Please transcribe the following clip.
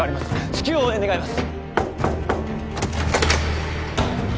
至急応援願います